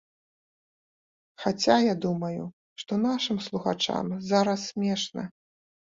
Хаця, я думаю, што нашым слухачам зараз смешна.